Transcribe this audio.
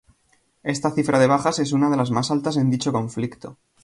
Esta cifra de bajas es una de las más altas en dicho conflicto.